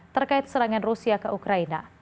terkait serangan rusia ke ukraina